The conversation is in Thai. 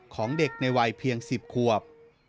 ของเด็กในวัยเพียง๑๐ขวบ